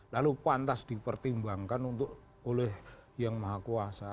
lalu pantas dipertimbangkan oleh yang maha kuasa